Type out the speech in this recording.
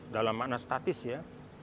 dalam makna statis ya